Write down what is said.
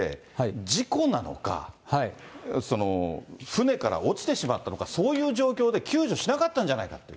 つまり、この人は、越北ではなくて、事故なのか、船から落ちてしまったのか、そういう状況で救助しなかったんじゃないかと。